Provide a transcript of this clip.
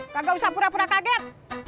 nggak usah pura pura kaget